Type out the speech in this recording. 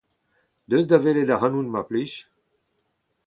Deus da welet ac'hanon mar plij !